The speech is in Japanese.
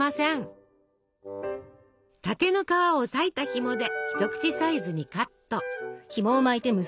竹の皮をさいたひもで一口サイズにカット。